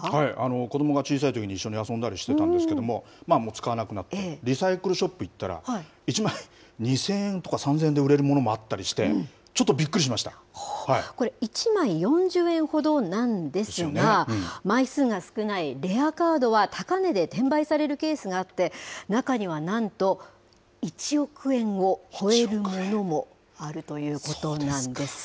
子どもが小さいときに一緒に遊んだりしてたんですけど、もう使わなくなって、リサイクルショップに行ったら、１枚２０００円とか３０００円で売れるものもあったりして、ちょっとびっくりしこれ、１枚４０円ほどなんですが、枚数が少ないレアカードは高値で転売されるケースがあって、中にはなんと１億円を超えるものもあるということなんです。